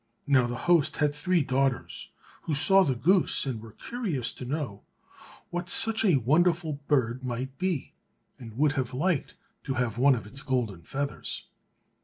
Now the host had three daughters, who saw the goose and were curious to know what such a wonderful bird might be, and would have liked to have one of its golden feathers.